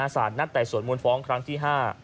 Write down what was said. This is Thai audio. สารนัดแต่สวนมูลฟ้องครั้งที่๕